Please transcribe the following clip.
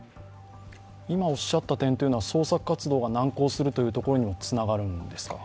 今おっしゃった点は、聰作活動が難航する点にもつながるんですか。